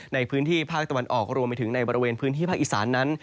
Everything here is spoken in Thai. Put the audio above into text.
ในพื้นที่ภาคตะวันออกรวมไปถึงในบริเวณพื้นที่ภาคอีสานนั้น